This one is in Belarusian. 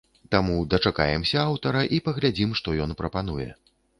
Таму дачакаемся аўтара і паглядзім, што ён прапануе.